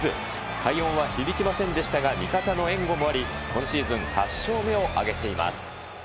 快音は響きませんでしたが、味方の援護もあり、今シーズン８勝目を挙げています。